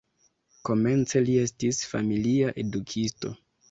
Komence li estis familia edukisto.